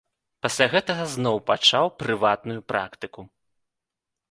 Пасля гэтага зноў пачаў прыватную практыку.